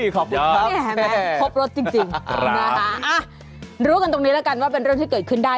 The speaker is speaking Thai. ครบรถจริงรู้กันตรงนี้แล้วกันว่าเป็นเรื่องที่เกิดขึ้นได้